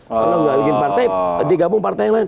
kalau nggak bikin partai digabung partai yang lain